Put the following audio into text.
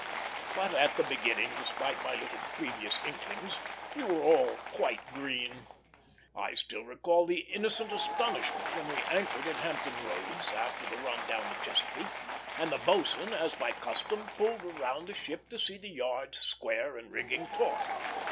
But at the beginning, despite any little previous inklings, we were all quite green. I still recall the innocent astonishment when we anchored in Hampton Roads, after the run down the Chesapeake, and the boatswain, as by custom, pulled round the ship to see the yards square and rigging taut.